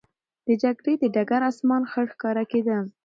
د جګړې د ډګر آسمان خړ ښکاره کېده.